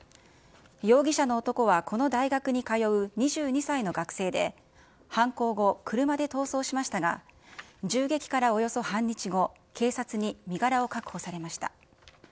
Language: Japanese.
容疑者の男はこの大学に通う２２歳の学生で、犯行後、車で逃走しましたが、銃撃からおよそ半日後、警察に身柄を確保されました。